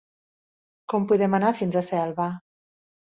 Com podem anar fins a Selva?